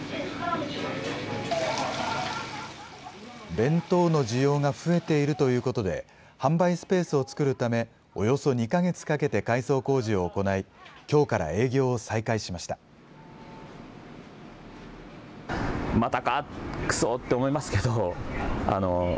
弁当の需要が増えているということで、販売スペースを作るため、およそ２か月かけて改装工事を行い、きょうから営業を再開しました。